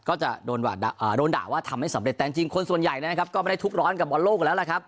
ก็จะโดนด่าว่าทำไม่สำเร็จแต่จริงคนส่วนใหญ่นะครับก็ไม่ได้ทุกร้อนกับบอลโลกแล้วล่ะครับ